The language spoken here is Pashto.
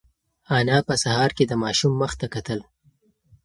انا په سهار کې د ماشوم مخ ته کتل.